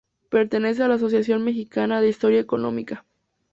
Pertenece a la Asociación Mexicana de Historia Económica